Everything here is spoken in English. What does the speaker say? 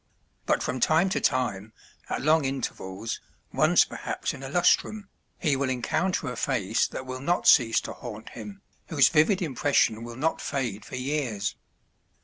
But from time to time, at long intervals, once perhaps in a lustrum, he will encounter a face that will not cease to haunt him, whose vivid impression will not fade for years.